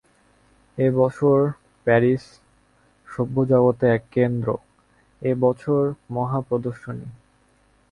এ বৎসর এ প্যারিস সভ্যজগতে এক কেন্দ্র, এ বৎসর মহাপ্রদর্শনী।